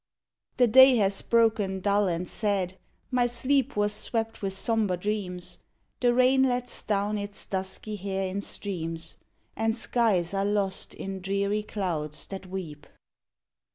The day has broken dull and sad; my sleep Was swept with sombre dreams; The rain lets down its dusky hair in streams, And skies are lost in dreary clouds that weep.